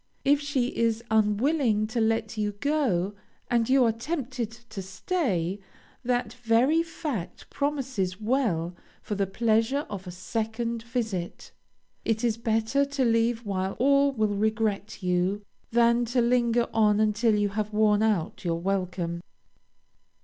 If she is unwilling to let you go, and you are tempted to stay, that very fact promises well for the pleasure of a second visit. It is better to leave while all will regret you, than to linger on until you have worn out your welcome.